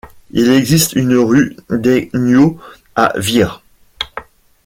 Il existe une rue d'Aignaux à Vire.